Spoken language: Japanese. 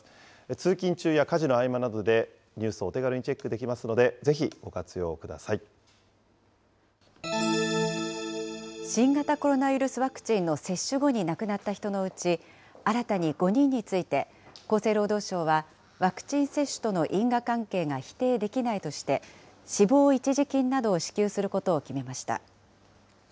通勤中や家事の合間などでニュースをお手軽にチェックできますの新型コロナウイルスワクチンの接種後に亡くなった人のうち、新たに５人について、厚生労働省はワクチン接種との因果関係が否定できないとして、死亡一時金などを支給することを決めました。